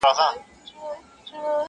اوس هغه ښکلی کابل.!